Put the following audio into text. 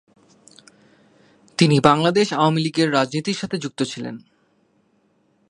তিনি বাংলাদেশ আওয়ামী লীগের রাজনীতির সাথে যুক্ত ছিলেন।